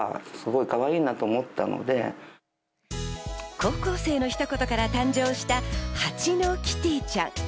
高校生のひと言から誕生したハチのキティちゃん。